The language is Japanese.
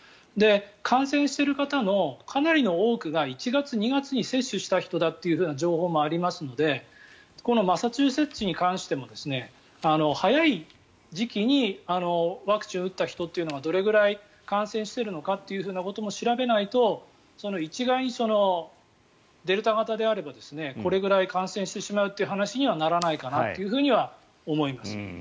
感染している方もかなり多くが１月、２月に接種した人だったっていう情報もありますのでこのマサチューセッツに関しても早い時期にワクチンを打った人というのがどのくらい感染しているかということも調べないと一概にデルタ型であればこれぐらい感染してしまうという話にはならないかなと思います。